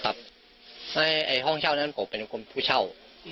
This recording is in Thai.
เพราะห้องเช่านั้นผมเป็นคนผู้เช่า